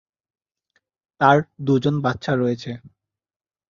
তার দুজন বাচ্চা রয়েছে।